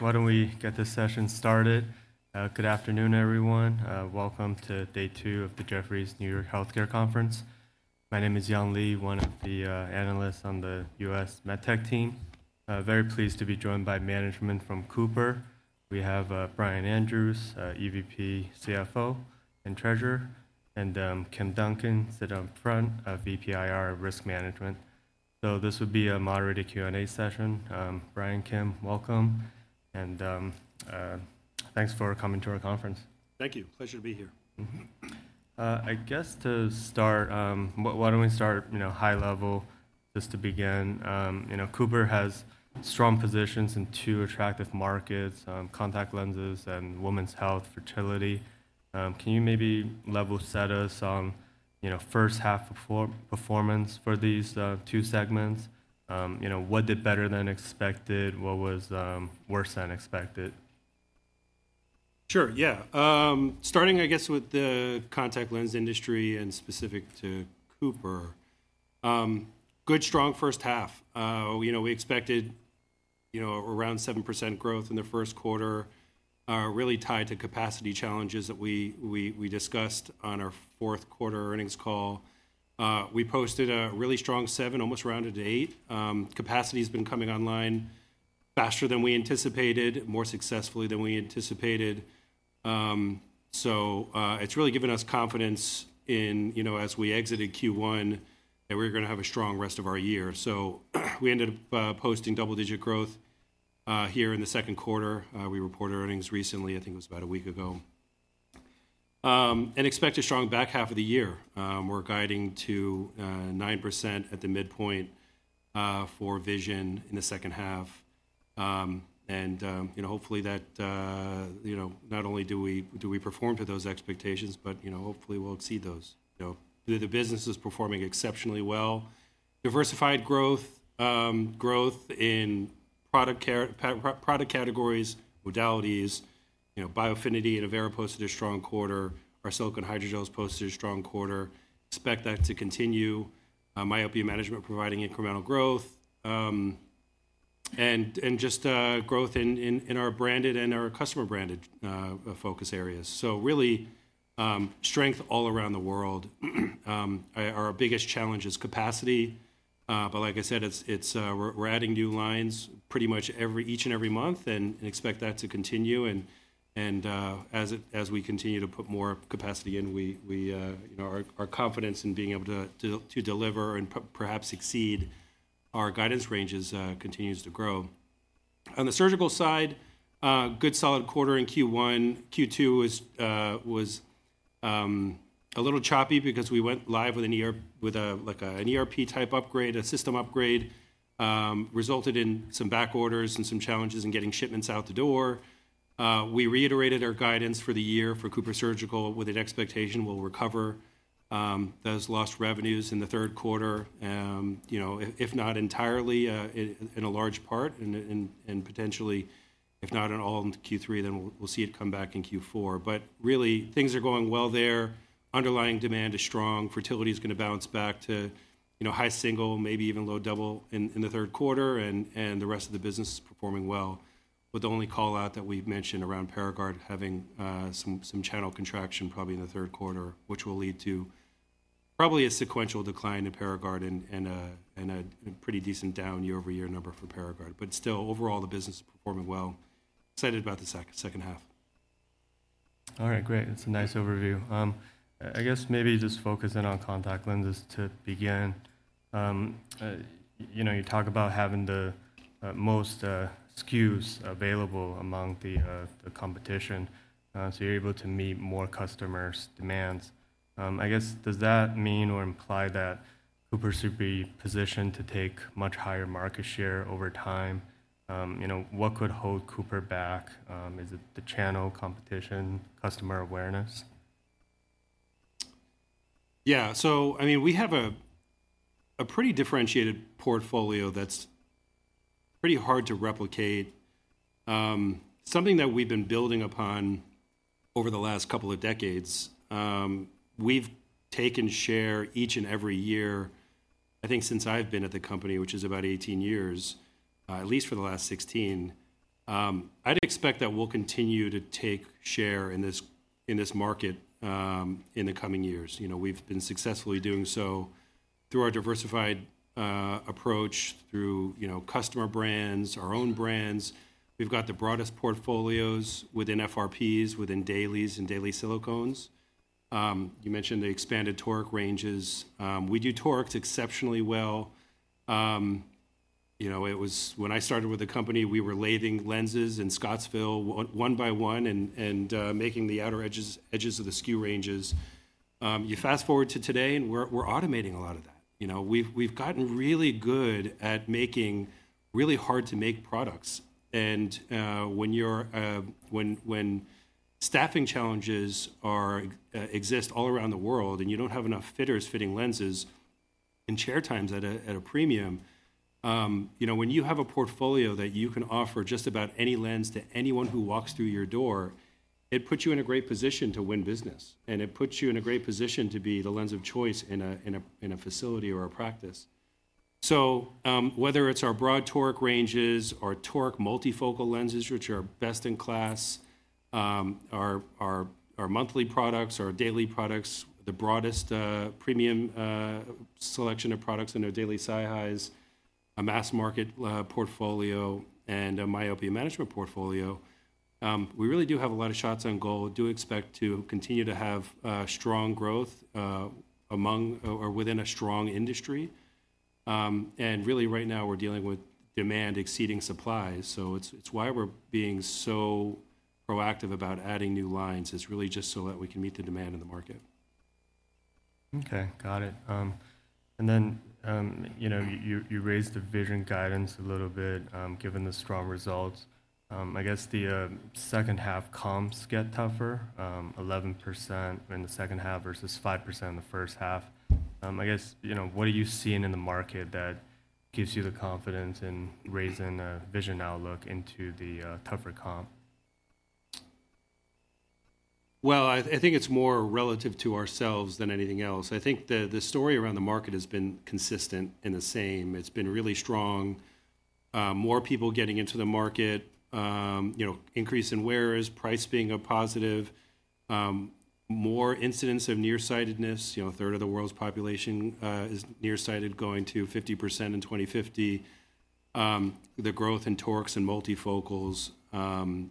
Why don't we get this session started? Good afternoon, everyone. Welcome to day two of the Jefferies New York Healthcare Conference. My name is Young Li, one of the analysts on the U.S. MedTech team. Very pleased to be joined by management from Cooper. We have Brian Andrews, EVP, CFO, and Treasurer, and Kim Duncan, sit up front, VP IR Risk Management. So this will be a moderated Q&A session. Brian, Kim, welcome, and thanks for coming to our conference. Thank you. Pleasure to be here. Mm-hmm. I guess to start, why don't we start, you know, high level, just to begin. You know, Cooper has strong positions in two attractive markets: contact lenses and women's health, fertility. Can you maybe level set us on, you know, first half performance for these two segments? You know, what did better than expected? What was worse than expected? Sure, yeah. Starting, I guess, with the contact lens industry and specific to Cooper, good, strong first half. You know, we expected, you know, around 7% growth in the first quarter, really tied to capacity challenges that we discussed on our fourth quarter earnings call. We posted a really strong 7, almost rounded to 8. Capacity's been coming online faster than we anticipated, more successfully than we anticipated. So, it's really given us confidence in, you know, as we exited Q1, that we're gonna have a strong rest of our year. So we ended up posting double-digit growth here in the second quarter. We reported earnings recently, I think it was about a week ago. And expect a strong back half of the year. We're guiding to 9% at the midpoint for vision in the second half. And you know, hopefully that not only do we perform to those expectations, but you know, hopefully we'll exceed those. You know, the business is performing exceptionally well. Diversified growth, growth in product categories, modalities. You know, Biofinity and Avaira posted a strong quarter. Our silicone hydrogels posted a strong quarter. Expect that to continue. Myopia management providing incremental growth, and just growth in our branded and our customer-branded focus areas. So really, strength all around the world. Our biggest challenge is capacity, but like I said, it's we're adding new lines pretty much every month, and expect that to continue. As we continue to put more capacity in, we, you know, our confidence in being able to deliver and perhaps exceed our guidance ranges continues to grow. On the surgical side, good solid quarter in Q1. Q2 was a little choppy because we went live with an ERP-type upgrade. A system upgrade resulted in some back orders and some challenges in getting shipments out the door. We reiterated our guidance for the year for CooperSurgical, with an expectation we'll recover those lost revenues in the third quarter, you know, if not entirely in a large part, and potentially, if not at all in Q3, then we'll see it come back in Q4. But really, things are going well there. Underlying demand is strong. Fertility is gonna bounce back to, you know, high single, maybe even low double in the third quarter, and the rest of the business is performing well, with the only call-out that we've mentioned around Paragard having some channel contraction probably in the third quarter, which will lead to probably a sequential decline in Paragard and a pretty decent down year-over-year number for Paragard. But still, overall, the business is performing well. Excited about the second half. All right, great. It's a nice overview. I guess maybe just focus in on contact lenses to begin. You know, you talk about having the most SKUs available among the competition, so you're able to meet more customers' demands. I guess, does that mean or imply that Cooper should be positioned to take much higher market share over time? You know, what could hold Cooper back? Is it the channel competition, customer awareness? Yeah. So I mean, we have a pretty differentiated portfolio that's pretty hard to replicate, something that we've been building upon over the last couple of decades. We've taken share each and every year, I think since I've been at the company, which is about 18 years, at least for the last 16. I'd expect that we'll continue to take share in this, in this market, in the coming years. You know, we've been successfully doing so through our diversified approach, through, you know, customer brands, our own brands. We've got the broadest portfolios within FRPs, within dailies and daily silicones. You mentioned the expanded toric ranges. We do torics exceptionally well. You know, it was—When I started with the company, we were lathing lenses in Scottsville one by one, and making the outer edges of the SKU ranges. You fast-forward to today, and we're automating a lot of that. You know, we've gotten really good at making really hard-to-make products, and when staffing challenges exist all around the world, and you don't have enough fitters fitting lenses, and chair time's at a premium, you know, when you have a portfolio that you can offer just about any lens to anyone who walks through your door, it puts you in a great position to win business, and it puts you in a great position to be the lens of choice in a facility or a practice.... So, whether it's our broad Toric ranges, our Toric multifocal lenses, which are best in class, our monthly products, our daily products, the broadest premium selection of products in our daily SiHy, a mass market portfolio, and a myopia management portfolio. We really do have a lot of shots on goal. We do expect to continue to have strong growth among or within a strong industry. And really right now, we're dealing with demand exceeding supply, so it's why we're being so proactive about adding new lines, is really just so that we can meet the demand in the market. Okay, got it. And then, you know, you raised the vision guidance a little bit, given the strong results. I guess the second half comps get tougher, 11% in the second half versus 5% in the first half. I guess, you know, what are you seeing in the market that gives you the confidence in raising a vision outlook into the tougher comp? Well, I think it's more relative to ourselves than anything else. I think the story around the market has been consistent and the same. It's been really strong. More people getting into the market, you know, increase in wearers, price being a positive, more incidents of nearsightedness. You know, a third of the world's population is nearsighted, going to 50% in 2050. The growth in torics and multifocals.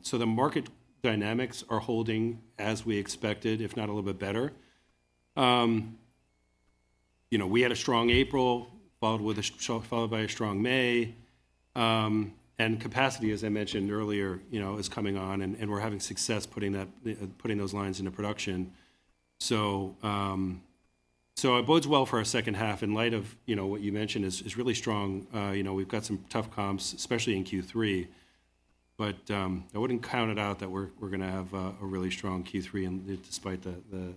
So the market dynamics are holding as we expected, if not a little bit better. You know, we had a strong April, followed by a strong May. And capacity, as I mentioned earlier, you know, is coming on, and we're having success putting those lines into production. So, it bodes well for our second half in light of, you know, what you mentioned is really strong. You know, we've got some tough comps, especially in Q3, but I wouldn't count it out that we're gonna have a really strong Q3, and despite the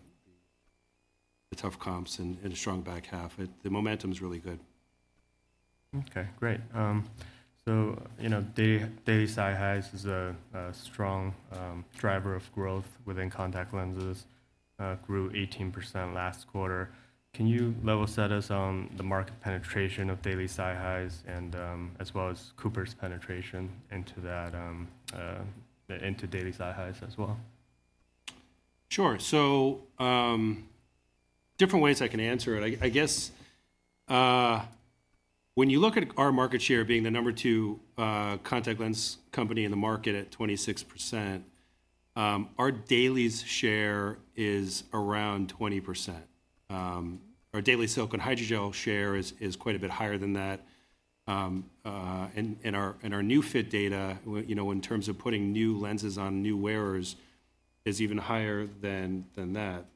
tough comps and a strong back half. The momentum is really good. Okay, great. So, you know, daily SiHy is a strong driver of growth within contact lenses, grew 18% last quarter. Can you level set us on the market penetration of daily SiHy and, as well as Cooper's penetration into that, into daily SiHy as well? Sure. So, different ways I can answer it. I guess, when you look at our market share being the number 2 contact lens company in the market at 26%, our dailies share is around 20%. Our daily silicone hydrogel share is quite a bit higher than that. And our new fit data, you know, in terms of putting new lenses on new wearers, is even higher than that.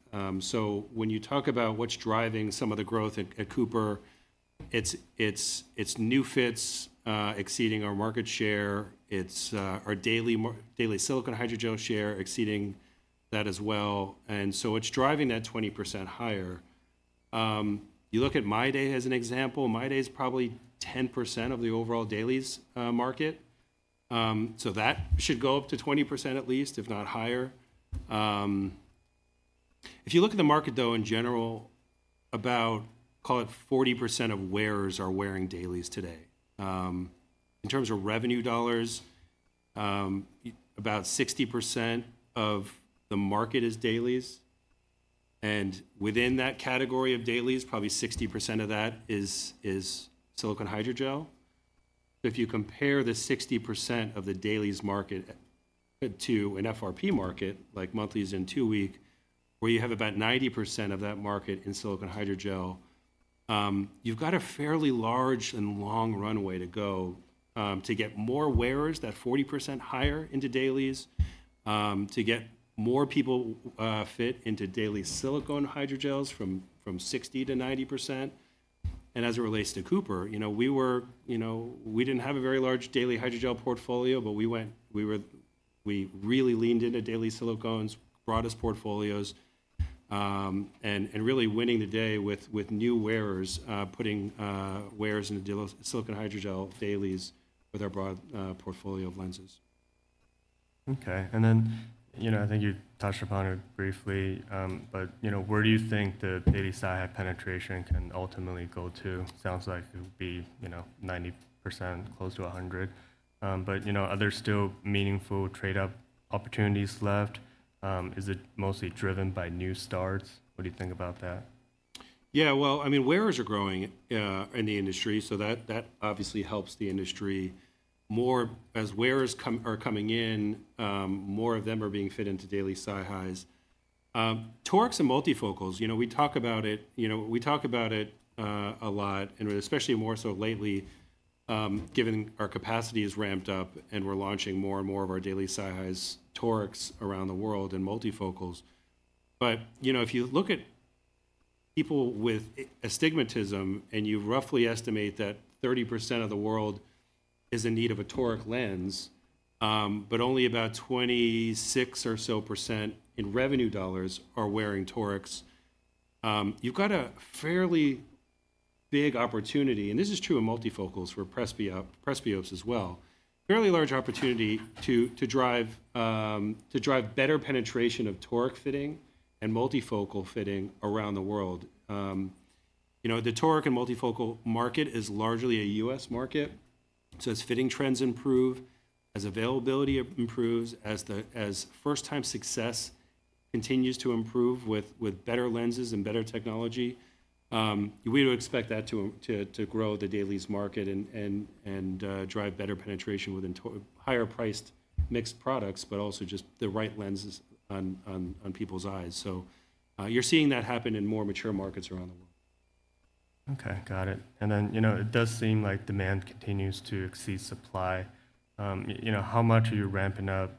So when you talk about what's driving some of the growth at Cooper, it's new fits exceeding our market share, our daily silicone hydrogel share exceeding that as well, and so it's driving that 20% higher. You look at MyDay as an example, MyDay is probably 10% of the overall dailies market. So that should go up to 20% at least, if not higher. If you look at the market, though, in general, about, call it 40% of wearers are wearing dailies today. In terms of revenue dollars, about 60% of the market is dailies, and within that category of dailies, probably 60% of that is silicone hydrogel. If you compare the 60% of the dailies market to an FRP market, like monthlies and two-week, where you have about 90% of that market in silicone hydrogel, you've got a fairly large and long runway to go, to get more wearers, that 40% higher into dailies, to get more people fit into daily silicone hydrogels from 60%-90%. As it relates to Cooper, you know, we didn't have a very large daily hydrogel portfolio, but we really leaned into daily silicones, broadest portfolios, and really winning the day with new wearers, putting wearers into silicone hydrogel dailies with our broad portfolio of lenses. Okay. And then, you know, I think you touched upon it briefly, but, you know, where do you think the daily SiHy penetration can ultimately go to? Sounds like it would be, you know, 90%, close to 100. But, you know, are there still meaningful trade-up opportunities left? Is it mostly driven by new starts? What do you think about that? Yeah, well, I mean, wearers are growing in the industry, so that obviously helps the industry. More as wearers are coming in, more of them are being fit into daily SiHys. Torics and multifocals, you know, we talk about it, you know, we talk about it a lot, and especially more so lately, given our capacity is ramped up, and we're launching more and more of our daily SiHy's, Torics around the world, and multifocals. But, you know, if you look at people with astigmatism, and you roughly estimate that 30% of the world is in need of a Toric lens, but only about 26% or so in revenue dollars are wearing Torics, you've got a fairly big opportunity, and this is true in multifocals for presbyopes as well. Fairly large opportunity to drive better penetration of Toric fitting and multifocal fitting around the world. You know, the Toric and multifocal market is largely a U.S. market. So as fitting trends improve, as availability improves, as first-time success continues to improve with better lenses and better technology, we would expect that to grow the dailies market and drive better penetration within higher-priced mixed products, but also just the right lenses on people's eyes. So you're seeing that happen in more mature markets around the world. Okay, got it. And then, you know, it does seem like demand continues to exceed supply. You know, how much are you ramping up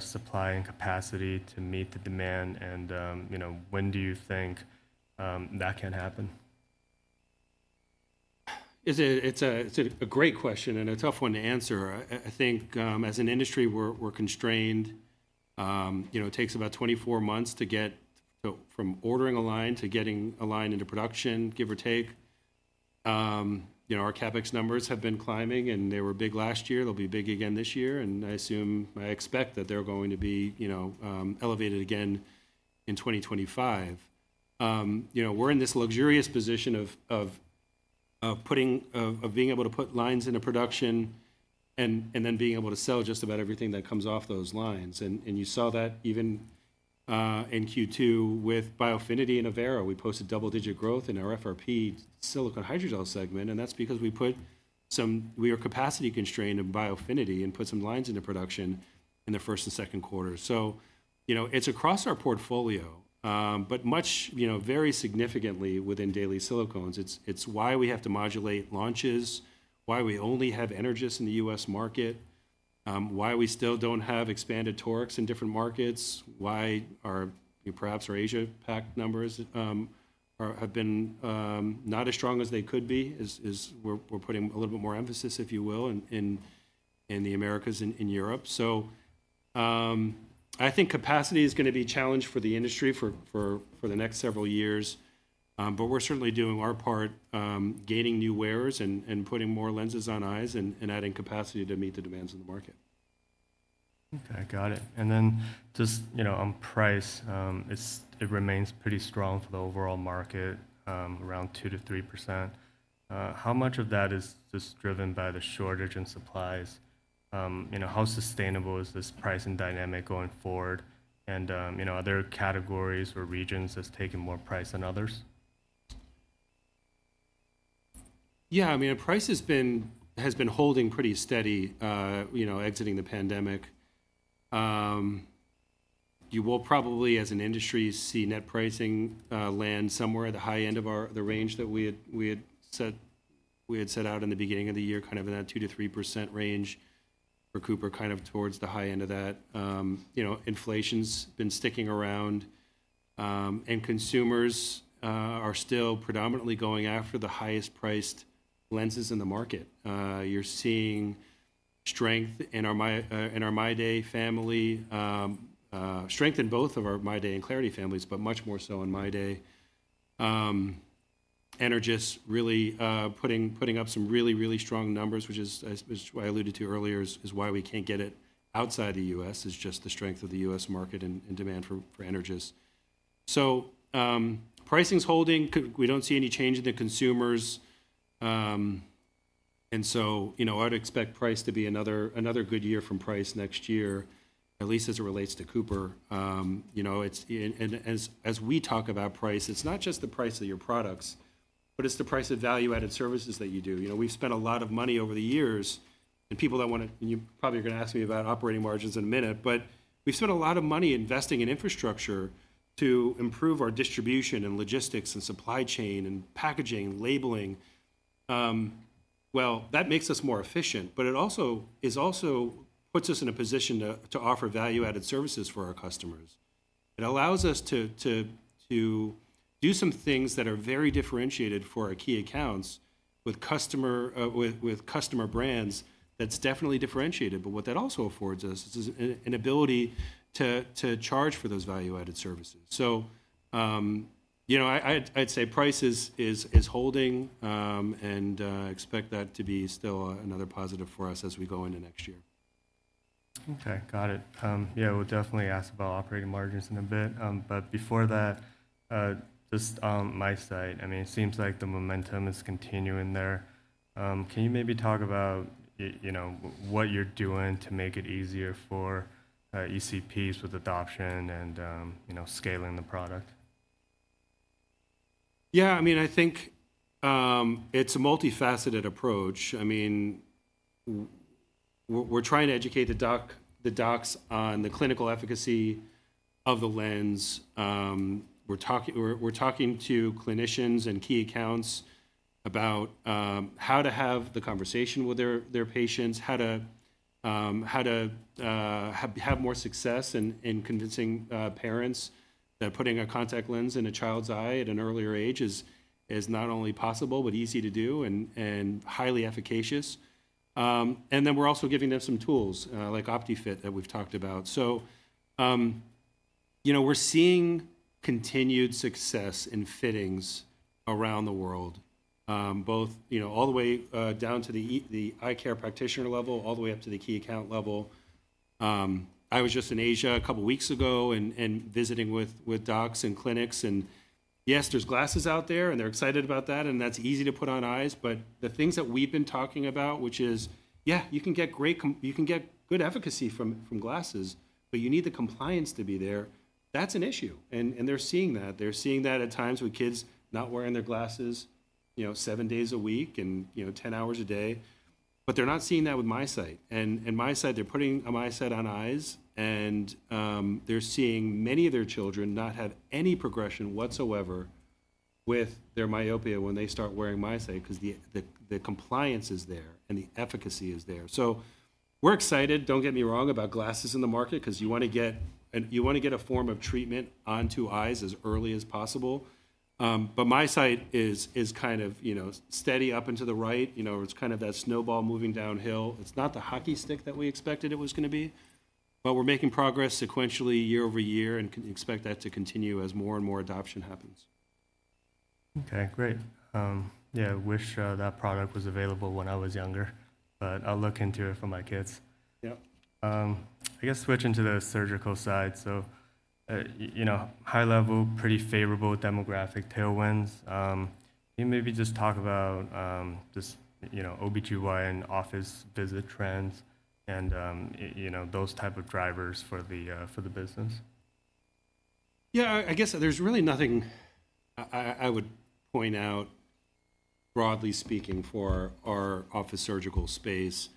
supply and capacity to meet the demand? And, you know, when do you think that can happen? It's a great question and a tough one to answer. I think, as an industry, we're constrained. You know, it takes about 24 months to get so from ordering a line to getting a line into production, give or take. You know, our CapEx numbers have been climbing, and they were big last year. They'll be big again this year, and I assume I expect that they're going to be, you know, elevated again in 2025. You know, we're in this luxurious position of being able to put lines into production and then being able to sell just about everything that comes off those lines. And you saw that even in Q2 with Biofinity and Avaira. We posted double-digit growth in our FRP silicone hydrogel segment, and that's because we are capacity constrained in Biofinity and put some lines into production in the first and second quarter. So, you know, it's across our portfolio, but much, you know, very significantly within daily silicones. It's why we have to modulate launches, why we only have Energys in the US market, why we still don't have expanded torics in different markets, why our, perhaps our Asia Pac numbers, have been not as strong as they could be, is we're putting a little bit more emphasis, if you will, in the Americas and in Europe. So, I think capacity is gonna be a challenge for the industry for the next several years. We're certainly doing our part, gaining new wearers and putting more lenses on eyes, and adding capacity to meet the demands of the market. Okay, got it. And then just, you know, on price, it remains pretty strong for the overall market, around 2%-3%. How much of that is just driven by the shortage in supplies? You know, how sustainable is this pricing dynamic going forward? And, you know, are there categories or regions that's taking more price than others? Yeah, I mean, our price has been holding pretty steady, you know, exiting the pandemic. You will probably, as an industry, see net pricing land somewhere at the high end of the range that we had set out in the beginning of the year, kind of in that 2%-3% range. For Cooper, kind of towards the high end of that. You know, inflation's been sticking around, and consumers are still predominantly going after the highest-priced lenses in the market. You're seeing strength in our MyDay family, strength in both of our MyDay and clariti families, but much more so in MyDay. Energys really putting up some really strong numbers, which I alluded to earlier, is why we can't get it outside the US, just the strength of the US market and demand for Energys. So, pricing's holding. We don't see any change in the consumers, and so, you know, I'd expect price to be another good year from price next year, at least as it relates to Cooper. You know, it's... And as we talk about price, it's not just the price of your products, but it's the price of value-added services that you do. You know, we've spent a lot of money over the years, and people that wanna and you probably are gonna ask me about operating margins in a minute, but we've spent a lot of money investing in infrastructure to improve our distribution, and logistics, and supply chain, and packaging, labeling. Well, that makes us more efficient, but it also puts us in a position to offer value-added services for our customers. It allows us to do some things that are very differentiated for our key accounts with customer brands that's definitely differentiated. But what that also affords us is an ability to charge for those value-added services. So, you know, I'd say price is holding, and expect that to be still another positive for us as we go into next year. Okay, got it. Yeah, we'll definitely ask about operating margins in a bit. But before that, just on MiSight, I mean, it seems like the momentum is continuing there. Can you maybe talk about you know, what you're doing to make it easier for, ECPs with adoption and, you know, scaling the product? Yeah, I mean, I think it's a multifaceted approach. I mean, we're trying to educate the docs on the clinical efficacy of the lens. We're talking to clinicians and key accounts about how to have the conversation with their patients, how to have more success in convincing parents that putting a contact lens in a child's eye at an earlier age is not only possible, but easy to do and highly efficacious. And then we're also giving them some tools, like OptiExpert, that we've talked about. So, you know, we're seeing continued success in fittings around the world, both all the way down to the eye care practitioner level, all the way up to the key account level. I was just in Asia a couple of weeks ago and visiting with docs and clinics, and yes, there's glasses out there, and they're excited about that, and that's easy to put on eyes. But the things that we've been talking about, which is, yeah, you can get good efficacy from glasses, but you need the compliance to be there. That's an issue, and they're seeing that. They're seeing that at times with kids not wearing their glasses, you know, seven days a week and, you know, 10 hours a day. But they're not seeing that with MiSight. In MiSight, they're putting a MiSight on eyes, and they're seeing many of their children not have any progression whatsoever with their myopia when they start wearing MiSight 'cause the compliance is there, and the efficacy is there. So we're excited, don't get me wrong, about glasses in the market 'cause you wanna get a form of treatment onto eyes as early as possible. But MiSight is kind of, you know, steady up and to the right. You know, it's kind of that snowball moving downhill. It's not the hockey stick that we expected it was gonna be, but we're making progress sequentially year over year and expect that to continue as more and more adoption happens. Okay, great. Yeah, I wish that product was available when I was younger, but I'll look into it for my kids. Yeah. I guess switching to the surgical side, so, you know, high level, pretty favorable demographic tailwinds. Can you maybe just talk about, just, you know, OB-GYN office visit trends and, you know, those type of drivers for the, for the business? Yeah, I guess there's really nothing I would point out, broadly speaking, for our office surgical space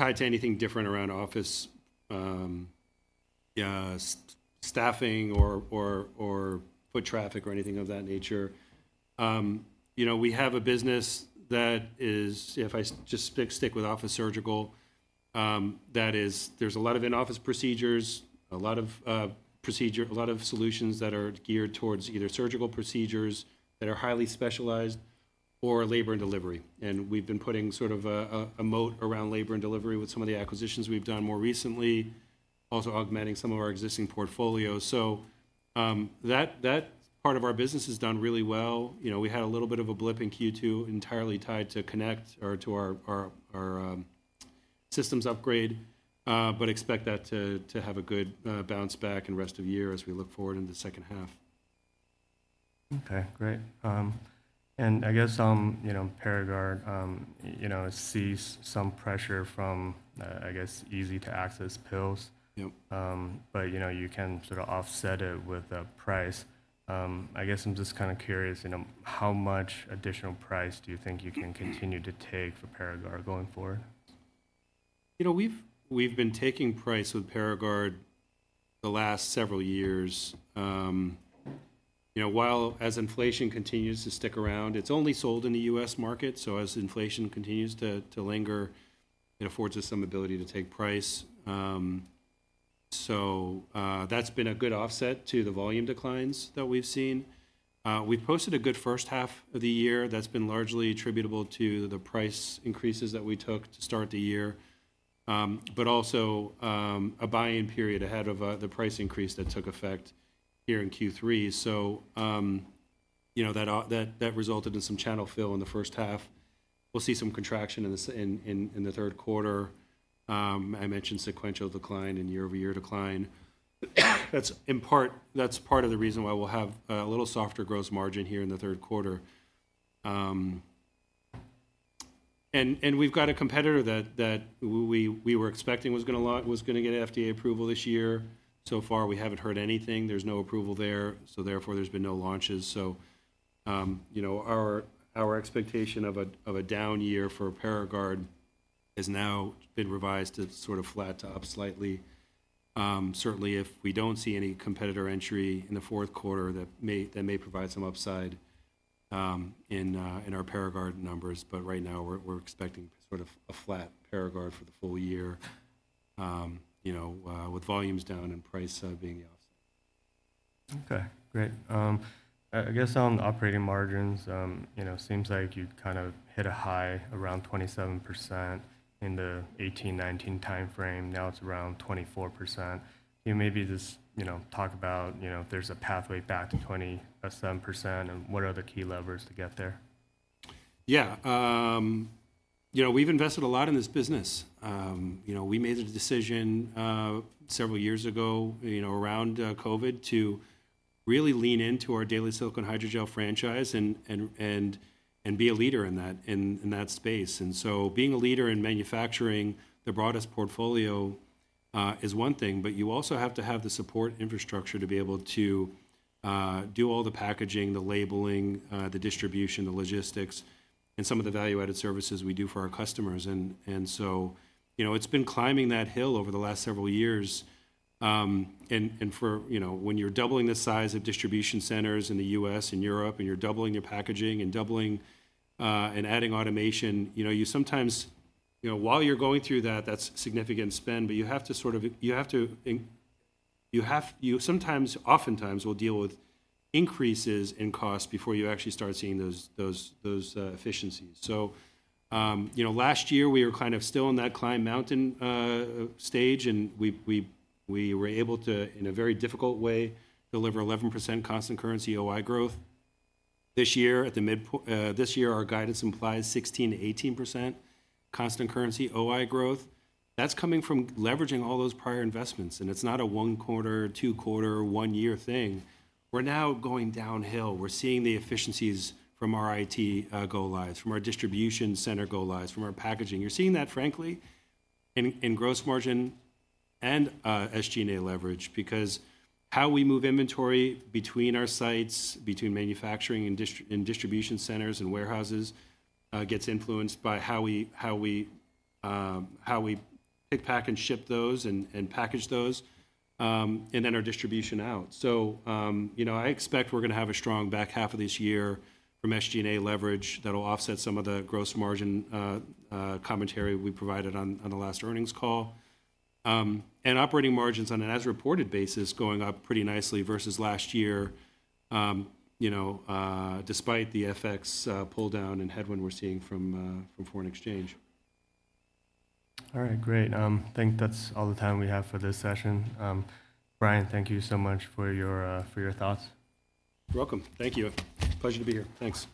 tied to anything different around office staffing or foot traffic or anything of that nature. You know, we have a business that is, if I just stick with office surgical, that is, there's a lot of in-office procedures, a lot of solutions that are geared towards either surgical procedures that are highly specialized or labor and delivery. And we've been putting sort of a moat around labor and delivery with some of the acquisitions we've done more recently, also augmenting some of our existing portfolio. So, that part of our business has done really well. You know, we had a little bit of a blip in Q2, entirely tied to Connect or to our systems upgrade, but expect that to have a good bounce back in the rest of the year as we look forward into the second half. Okay, great. I guess, you know, Paragard, you know, sees some pressure from, I guess, easy-to-access pills. Yep. But, you know, you can sort of offset it with the price. I guess I'm just kinda curious, you know, how much additional price do you think you can continue to take for Paragard going forward? You know, we've been taking price with Paragard the last several years. You know, while, as inflation continues to stick around, it's only sold in the U.S. market, so as inflation continues to linger, it affords us some ability to take price. So, that's been a good offset to the volume declines that we've seen. We've posted a good first half of the year that's been largely attributable to the price increases that we took to start the year, but also a buy-in period ahead of the price increase that took effect here in Q3. You know, that resulted in some channel fill in the first half. We'll see some contraction in the third quarter. I mentioned sequential decline and year-over-year decline. That's part of the reason why we'll have a little softer gross margin here in the third quarter. And we've got a competitor that we were expecting was gonna get FDA approval this year. So far, we haven't heard anything. There's no approval there, so therefore, there's been no launches. So, you know, our expectation of a down year for Paragard has now been revised to sort of flat to up slightly. Certainly, if we don't see any competitor entry in the fourth quarter, that may provide some upside in our Paragard numbers. But right now, we're expecting sort of a flat Paragard for the full year, you know, with volumes down and price being the offset. Okay, great. I guess on the operating margins, you know, seems like you've kind of hit a high, around 27% in the 2018, 2019 time frame. Now, it's around 24%. Can you maybe just, you know, talk about, you know, if there's a pathway back to 27%, and what are the key levers to get there? Yeah. You know, we've invested a lot in this business. You know, we made the decision several years ago, you know, around COVID, to really lean into our daily silicone hydrogel franchise and be a leader in that space. And so being a leader in manufacturing the broadest portfolio is one thing, but you also have to have the support infrastructure to be able to do all the packaging, the labeling, the distribution, the logistics, and some of the value-added services we do for our customers. And so, you know, it's been climbing that hill over the last several years. And for... You know, when you're doubling the size of distribution centers in the US and Europe, and you're doubling your packaging, and doubling, and adding automation, you know, you sometimes. You know, while you're going through that, that's significant spend, but you have to sort of. You have to, you sometimes, oftentimes will deal with increases in cost before you actually start seeing those efficiencies. So, you know, last year, we were kind of still in that climb mountain stage, and we were able to, in a very difficult way, deliver 11% constant currency OI growth. This year, our guidance implies 16%-18% constant currency OI growth. That's coming from leveraging all those prior investments, and it's not a one-quarter, two-quarter, one-year thing. We're now going downhill. We're seeing the efficiencies from our IT go lives, from our distribution center go lives, from our packaging. You're seeing that, frankly, in gross margin and SG&A leverage because how we move inventory between our sites, between manufacturing and distribution centers and warehouses, gets influenced by how we pick, pack, and ship those and package those, and then our distribution out. So, you know, I expect we're gonna have a strong back half of this year from SG&A leverage that'll offset some of the gross margin commentary we provided on the last earnings call. And operating margins on an as-reported basis going up pretty nicely versus last year, you know, despite the FX pull down and headwind we're seeing from foreign exchange. All right, great. I think that's all the time we have for this session. Brian, thank you so much for your, for your thoughts. You're welcome. Thank you. Pleasure to be here. Thanks.